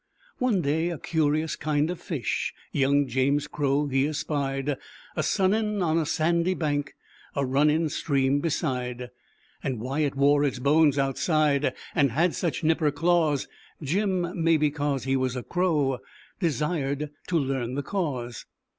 One day a curious kind offish Young James Crow he espied, A sunnin' on a sandy bank, A runnin' stream beside; And why it wore its bones outside. And had such nipper claws, Jim, maybe 'cause he was a Crow, Desired to learn the cause.